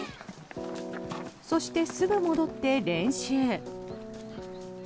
そして、すぐ戻って練習。